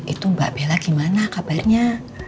itu mbak bella gimana kabarnya